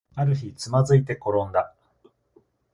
ある日、つまずいてころんだ